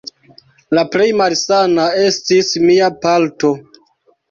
La plej malsana estis mia palto.